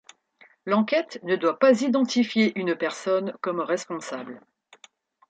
L'enquête ne doit pas identifier une personne comme responsable.